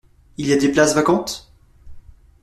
Il y a des places vacantes ?